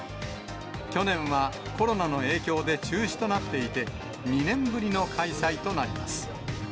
去年はコロナの影響で中止となっていて、２年ぶりの開催となります。